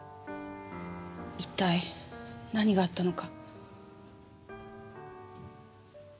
一体何があったのか。